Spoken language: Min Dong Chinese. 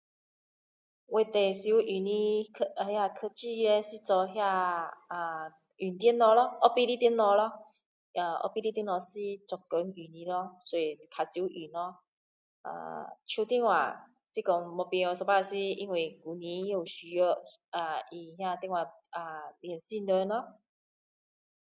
我最常用的那个科技叻是做那呃呃用电脑 office 的电脑咯 office 的电脑是做工用的咯所以较常用咯呃手电话是说没有便有时候是因为公司有需要用电话联系人咯